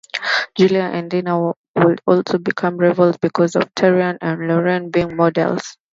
Julia and Dinah would also become rivals because of Taryn and Laurie being models.